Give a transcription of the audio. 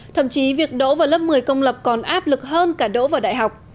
thậm chí việc đỗ vào lớp một mươi công lập còn áp lực hơn cả đỗ vào đại học